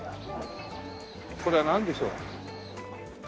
これはなんでしょう？